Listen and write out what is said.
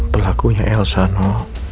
pelakunya elsa no